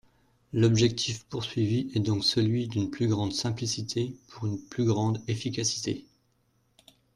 L’objectif poursuivi est donc celui d’une plus grande simplicité, pour une plus grande efficacité.